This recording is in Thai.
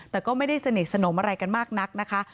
แต่ก็ไม่ได้สนิทสนมอะไรกันมากนักนะคะ